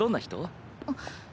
あっ。